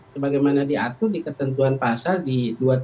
sebagaimana diatur di ketentuan pasar di dua ratus tujuh puluh delapan